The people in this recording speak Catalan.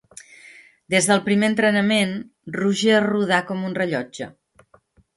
Des del primer entrenament Roger rodà com un rellotge.